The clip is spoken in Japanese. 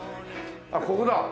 あっここだ！